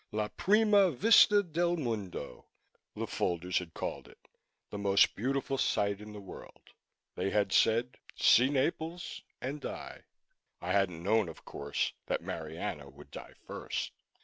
"La prima vista del mundo," the folders had called it the most beautiful sight of the world. They had said: "See Naples, and die." I hadn't known, of course, that Marianna would die first....